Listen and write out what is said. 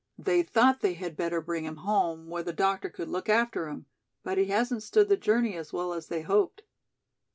They thought they had better bring him home, where the doctor could look after him, but he hasn't stood the journey as well as they hoped."